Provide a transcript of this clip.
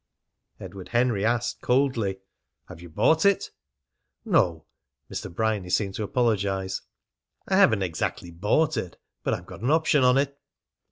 Edward Henry asked coldly: "Have you bought it?" "No," Mr. Bryany seemed to apologise, "I haven't exactly bought it; but I've got an option on it."